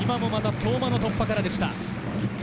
相馬の突破からでした。